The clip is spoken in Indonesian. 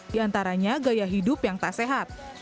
di antaranya gaya hidup yang tak sehat